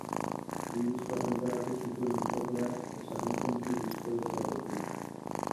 Bi disko argitaratu zituen bikoteak Esan Ozenki diskoetxearekin.